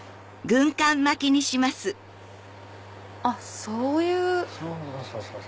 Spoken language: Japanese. あっそういう。